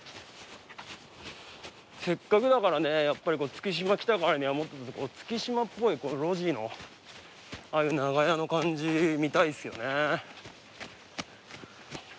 せっかくだからねやっぱり月島来たからにはもっとこう月島っぽい路地のああいう長屋の感じ見たいっすよね。